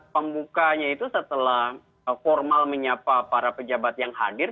pembukanya itu setelah formal menyapa para pejabat yang hadir